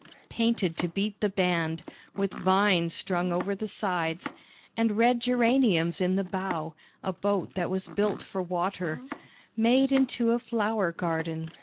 Painted to beat the band, with vines strung over the sides And red geraniums in the bow, a boat that was built for water Made into a flower garden.